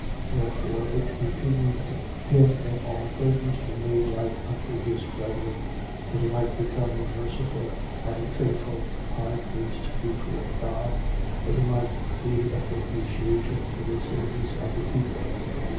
Wherefore, it behoved him in all things to be made like unto his brethren, that he might become a merciful and faithful high priest before God, that he might be a propitiation for the sins of the people.